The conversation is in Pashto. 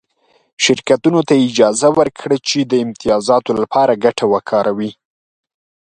شرکتونو ته یې اجازه ورکړه چې د امتیازاتو لپاره ګټه وکاروي